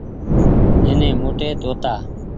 نيني موٽي توتآ ۔